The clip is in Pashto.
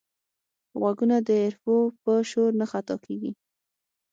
غوږونه د حرفو په شور نه خطا کېږي